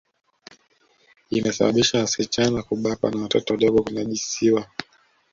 Imesababisha wasichana kubakwa na watoto wadogo kunajisiwa